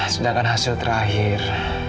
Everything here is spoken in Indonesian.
sedangkan hasil terakhir